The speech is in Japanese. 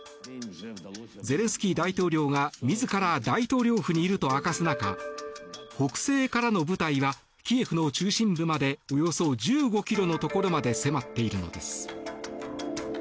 ゼレンスキー大統領が自ら大統領府にいると明かす中北西からの部隊はキエフの中心部までおよそ１５ｋｍのところまで迫っているのです。